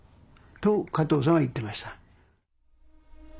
と加藤さんは言ってました。